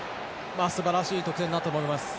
すばらしい得点だったと思います。